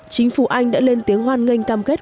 chính phủ anh đã lên tiếng hoan nghênh cam kết